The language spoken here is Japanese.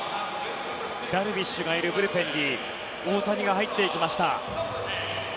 ダルビッシュがいるブルペンに大谷が入っていきました。